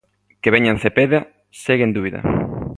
Que veñan Cepeda segue en dúbida.